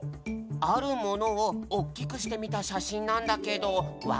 あるものをおっきくしてみた写真なんだけどわかる？